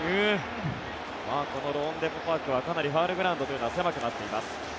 このローンデポ・パークはかなりファウルグラウンドというのは狭くなっています。